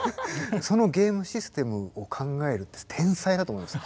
そのゲームシステムを考えるって天才だと思います。